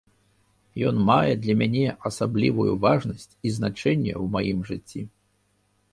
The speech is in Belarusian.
Ён мае для мяне асаблівую важнасць і значэнне ў маім жыцці.